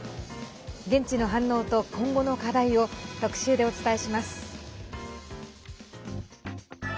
現地の反応と、今後の課題を特集でお伝えします。